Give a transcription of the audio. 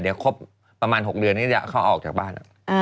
เดี๋ยวครบประมาณ๖เดือนนี้จะเข้าออกจากบ้าน